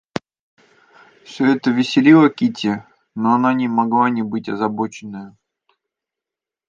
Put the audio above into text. Всё это веселило Кити, но она не могла не быть озабоченною.